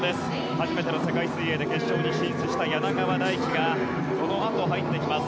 初めての世界水泳で決勝に進出した柳川大樹がこのあと入ってきます。